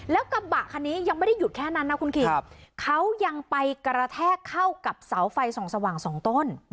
แล้วกระบะคันนี้ยังไม่ได้หยุดแค่นั้นนะคุณคิงเขายังไปกระแทกเข้ากับเสาไฟส่องสว่างสองต้น